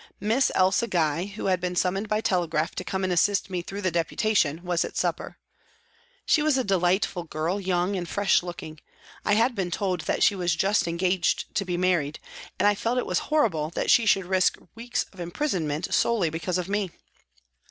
Miss Elsa Gye, who had been sum moned by telegraph to come and assist me through the Deputation, was at supper. She was a delightful girl, young and fresh looking. I had been told that she was just engaged to be married, and I felt it was horrible that she should risk weeks of imprisonment solely because of me.